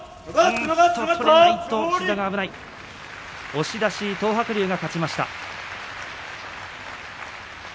押し出し東白龍が勝ちました。